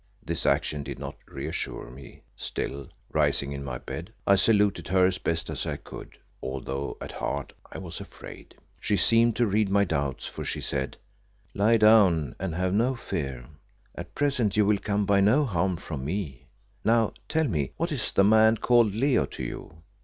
This action did not reassure me, still, rising in my bed, I saluted her as best I could, although at heart I was afraid. She seemed to read my doubts for she said "Lie down, and have no fear. At present you will come by no harm from me. Now, tell me what is the man called Leo to you?